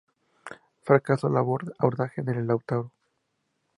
Fracasó el abordaje de la Lautaro.